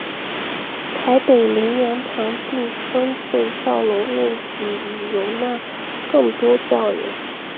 台北灵粮堂并增建楼面面积以容纳更多教友。